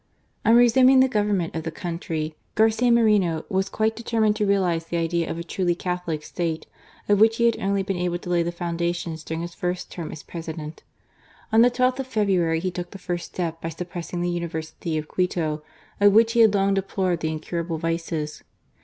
On resuming the government of the country, Garcia Moreno was quite determined to realize the idea of a truly Catholic State, of which he had only been able to lay the foundations during his first term as President. On the 12th of February he took the first step by suppressing the University of Quito, of which he had long deplored the incurable vices.